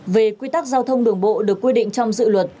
về quy tắc giao thông đường bộ được quy định trong dự luật